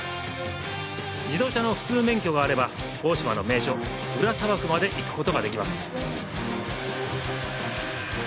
自動車の普通免許があれば大島の名所、裏砂漠まで行くことができます。